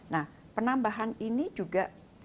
nah penambahan ini juga